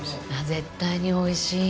絶対においしい！